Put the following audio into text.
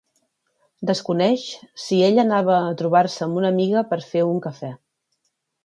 Desconeix si ella anava a trobar-se amb una amiga per fer un cafè.